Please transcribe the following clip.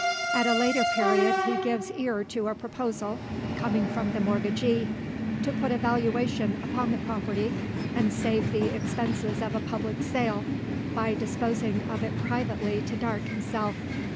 At a later period he gives ear to a proposal, coming from the mortgagee: to put a valuation upon the property, and save the expenses of a public sale, by disposing of it privately to Darke himself.